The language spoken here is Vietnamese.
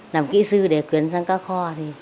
làm kỹ sư để quyến sang cá kho